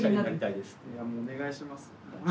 いやもうお願いします。